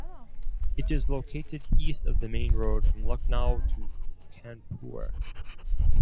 It is located east of the main road from Lucknow to Kanpur.